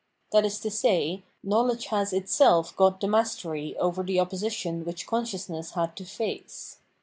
That is to say, knowledge has itself got the mastery over the opposition which consciousness had to face.